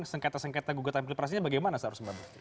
sengketa sengketa gugatan klip rasinya bagaimana seharusnya